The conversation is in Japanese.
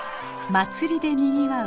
祭りでにぎわう